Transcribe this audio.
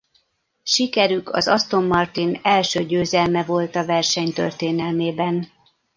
Sikerük az Aston Martin első győzelme volt a verseny történelmében.